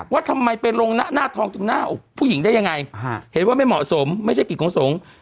ว่าทำไมไปลงหน้าทองตรงหน้าอกผู้หญิงได้ยังไงเห็นว่าไม่เหมาะสมไม่ใช่กิจของสงฆ์